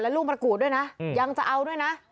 ลูกประกูดด้วยนะยังจะเอาด้วยนะ